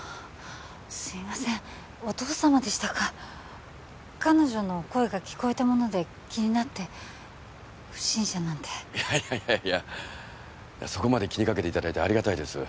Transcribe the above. すいませんお父様でしたか彼女の声が聞こえたもので気になって不審者なんていやいやいやそこまで気にかけていただいてありがたいです